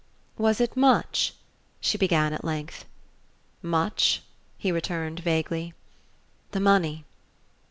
"Was it much ?" she began at length. "Much ?" he returned, vaguely. "The money."